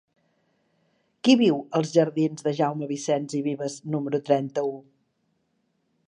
Qui viu als jardins de Jaume Vicens i Vives número trenta-u?